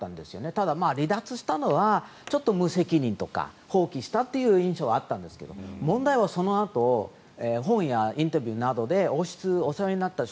ただ、離脱したのはちょっと無責任とか放棄したという印象はあったんですけど問題はそのあと本やインタビューなどで王室、お世話になった人